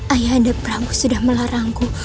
ayah anda pramu sudah melarangku